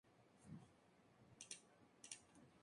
En la provincia hay asimismo yacimientos de cobre.